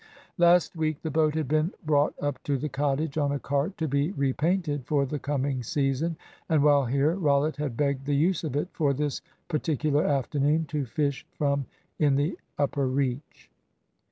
Last week the boat had been brought up to the cottage on a cart, to be repainted for the coming season, and while here Rollitt had begged the use of it for this particular afternoon to fish from in the upper reach.